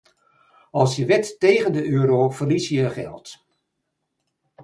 Als je wedt tegen de euro, verlies je je geld.